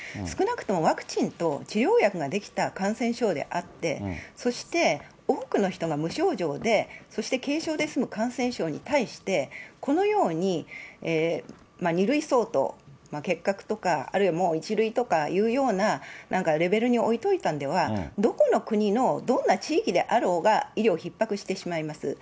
少なくとも、ワクチンと治療薬が出来た感染症であって、そして多くの人が無症状で、そして軽症で済む感染症に対して、このように２類相当、結核とか、あるいは１類とかいうようなレベルに置いといたんでは、どこの国のどんな地域であろうが、医療ひっ迫してしまいます。